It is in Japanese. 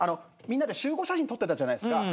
みんなで集合写真撮ってたじゃないですか